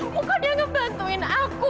muka dia ngebantuin aku